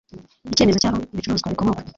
icyemezo cy aho ibicuruzwa bikomoka